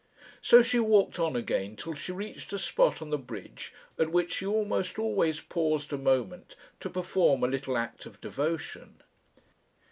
So she walked on again till she reached a spot on the bridge at which she almost always paused a moment to perform a little act of devotion.